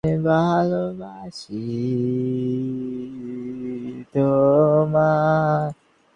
সুরকি, বালি ইত্যাদি জোগাড় করলাম।